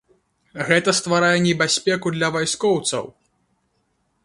Гэта стварае небяспеку для вайскоўцаў.